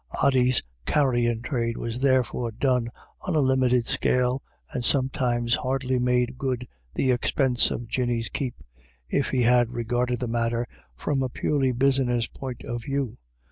Ody's carrying trade was therefore done on a limited scale, and sometimes hardly made good the expense of Jinny's keep, if he had regarded the matter from a purely business point of view.